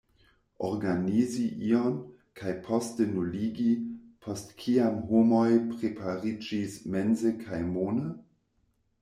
Organizi ion, kaj poste nuligi, post kiam homoj prepariĝis mense kaj mone?